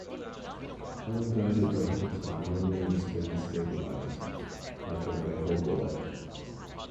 Unguided rockets are normally spin stabilized, like a rifle bullet.